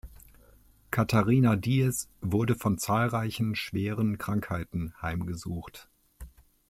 Katharina Diez wurde von zahlreichen schweren Krankheiten heimgesucht.